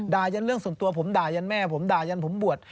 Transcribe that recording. ยันเรื่องส่วนตัวผมด่ายันแม่ผมด่ายันผมบวช